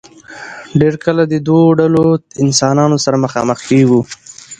ډېر کله د دو ډلو انسانانو سره مخامخ کيږو